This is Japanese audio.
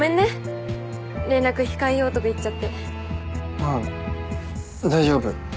あっ大丈夫。